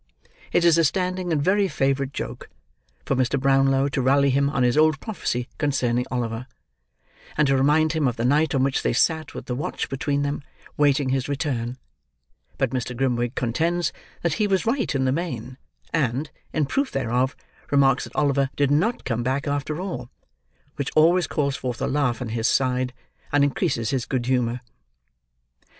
It is a standing and very favourite joke, for Mr. Brownlow to rally him on his old prophecy concerning Oliver, and to remind him of the night on which they sat with the watch between them, waiting his return; but Mr. Grimwig contends that he was right in the main, and, in proof thereof, remarks that Oliver did not come back after all; which always calls forth a laugh on his side, and increases his good humour.